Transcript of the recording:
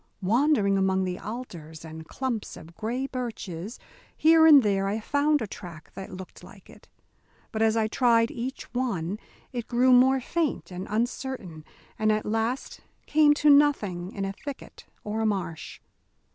Wandering among the alders and clumps of gray birches, here and there I found a track that looked like it; but as I tried each one, it grew more faint and uncertain and at last came to nothing in a thicket or a marsh.